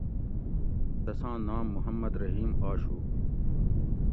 تساں نام محمد رحیم آشو